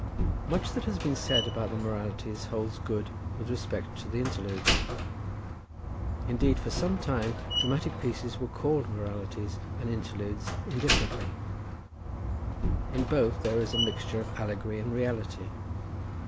Much that has been said about the moralities holds good with respect to the interludes. Indeed, for some time dramatic pieces were called moralities and interludes indifferently. In both there is a mixture of allegory and reality.